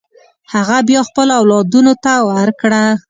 هغه بیا خپلو اولادونو ته ورکړه.